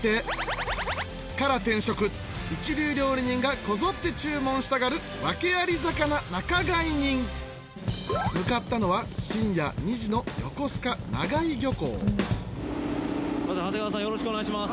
一流料理人がこぞって注文したがるワケアリ魚仲買人向かったのは深夜２時の横須賀長井漁港